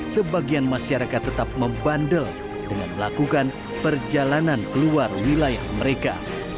sebagian masyarakat tetap membandel dengan melakukan perjalanan keluar wilayah mereka